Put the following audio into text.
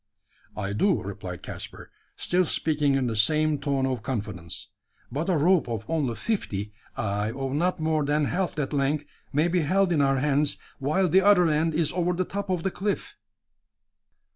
"I do," replied Caspar, still speaking in the same tone of confidence; "but a rope of only fifty ay, of not more than half that length may be held in our hands, while the other end is over the top of the cliff."